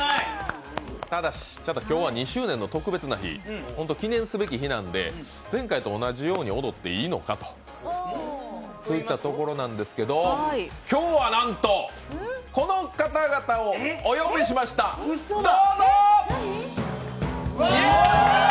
ただし、今日は２周年の特別な日、ほんと記念すべき日なんで前回と同じように踊っていいのかというところなんですけど今日はなんと、この方々をお呼びしました、どうぞ！